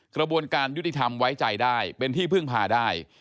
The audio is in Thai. กระบวนการยุติธรรมไว้ใจได้เป็นที่พึ่งพาได้